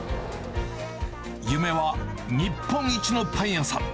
夢は日本一のパン屋さん。